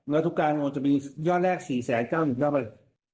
แล้วทุกการณ์มันจะมีย่อแรก๔๙๙๐๐๐บาท